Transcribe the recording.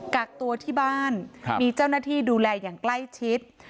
กักตัวที่บ้านมีเจ้าหน้าที่ดูแลอย่างใกล้ชิด